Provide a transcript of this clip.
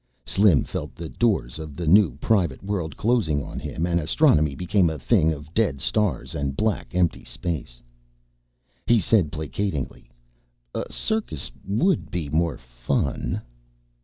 Slim felt the doors of the new, private world closing on him and astronomy became a thing of dead stars and black, empty space. He said, placatingly, "A circus would be more fun."